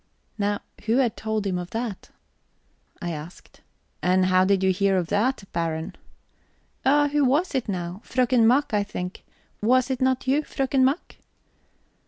Now who had told him of that? I asked: "And how did you hear of that, Baron?" "Oh, who was it, now? Fröken Mack, I think. Was it not you, Fröken Mack?"